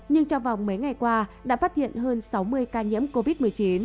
nhưng trong vòng mấy ngày qua đã phát hiện hơn sáu mươi ca nhiễm covid một mươi chín